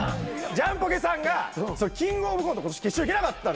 ジャンポケさんがキングオブコント今年決勝いけなかったんですよ。